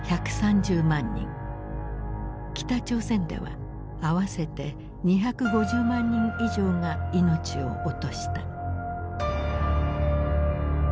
北朝鮮では合わせて２５０万人以上が命を落とした。